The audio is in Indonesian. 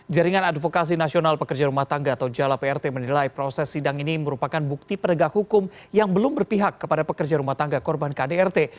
jaringan advokasi nasional pekerja rumah tangga atau jala prt menilai proses sidang ini merupakan bukti penegak hukum yang belum berpihak kepada pekerja rumah tangga korban kdrt